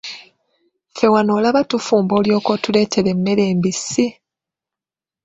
Ffe wano olaba tufumba olyoke otuleetere emmere embisi?